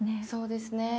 そうですね。